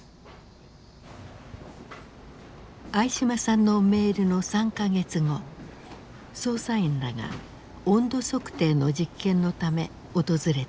相嶋さんのメールの３か月後捜査員らが温度測定の実験のため訪れていた。